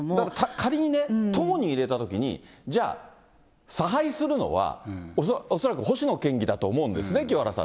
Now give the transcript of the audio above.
仮にね、党に入れたときに、じゃあ、差配するのは恐らく星野県議だと思うそうでしょうね。